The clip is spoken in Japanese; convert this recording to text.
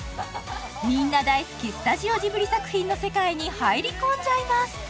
みんな大好きスタジオジブリ作品の世界に入り込んじゃいます